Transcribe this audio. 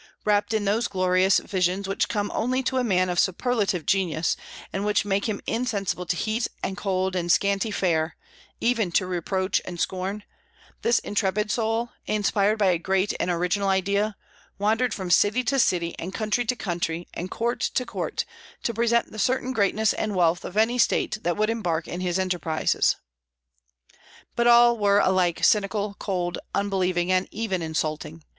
Wrapped up in those glorious visions which come only to a man of superlative genius, and which make him insensible to heat and cold and scanty fare, even to reproach and scorn, this intrepid soul, inspired by a great and original idea, wandered from city to city, and country to country, and court to court, to present the certain greatness and wealth of any state that would embark in his enterprise. But all were alike cynical, cold, unbelieving, and even insulting.